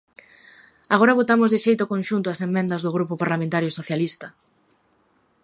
Agora votamos de xeito conxunto as emendas do Grupo Parlamentario Socialista.